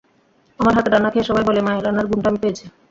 আমার হাতের রান্না খেয়ে সবাই বলে, মায়ের রান্নার গুণটা আমি পেয়েছি।